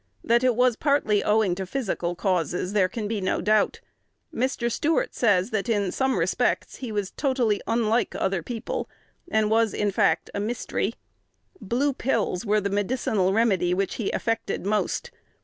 That it was partly owing to physical causes there can be no doubt. Mr. Stuart says, that in some respects he was totally unlike other people, and was, in fact, a "mystery." Blue pills were the medicinal remedy which he affected most.